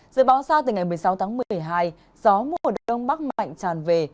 dự báo sao từ ngày một mươi sáu một mươi hai gió mùa đông bắc mạnh tràn về